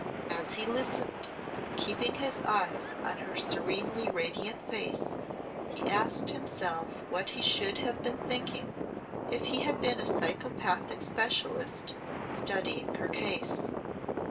As he listened, keeping his eyes on her serenely radiant face, he asked himself what he should have been thinking if he had been a psychopathic specialist studying her case.